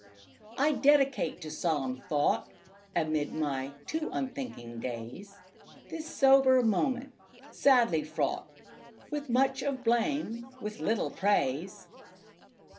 I dedicate to solemn thought Amid my too unthinking days, This sober moment, sadly fraught With much of blame, with little praise.